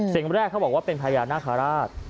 สิ่งแรกเขาบอกว่าเป็นพญานาคาราช